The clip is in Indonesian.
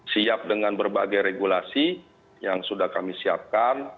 siap dengan berbagai regulasi yang sudah kami siapkan